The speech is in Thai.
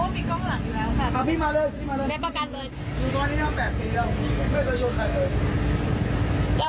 ผมก็จอดไงเพราะว่าผมยังมั่นใจว่าเออพี่คิดว่าผมมันจอดมีกล้อง